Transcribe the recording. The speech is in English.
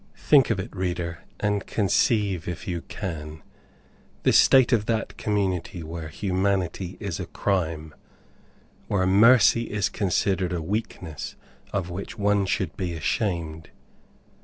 Think of it, reader, and conceive, if you can, the state of that community where humanity is a crime where mercy is considered a weakness of which one should be ashamed!